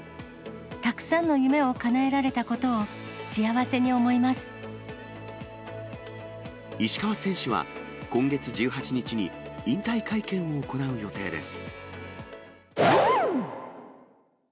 たくさんの夢をかなえられたこと石川選手は、今月１８日に引退会見を行う予定です。